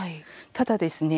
ただですね